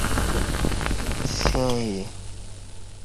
سیں یی